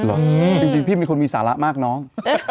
อื้มเอ้อจริงพี่เป็นคนมีสาระมากน้อง